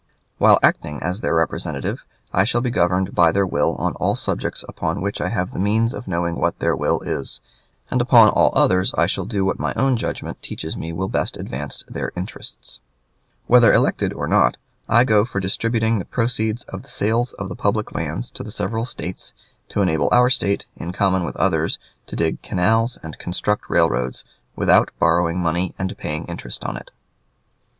While acting as their representative I shall be governed by their will on all subjects upon which I have the means of knowing what their will is, and upon all others I shall do what my own judgment teaches me will best advance their interests. Whether elected or not, I go for distributing the proceeds of the sales of the public lands to the several States, to enable our State, in common with others, to dig canals and construct railroads without borrowing money and paying interest on it.